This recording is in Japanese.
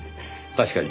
確かに。